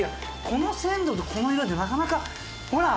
この鮮度でこの色ってなかなかほら。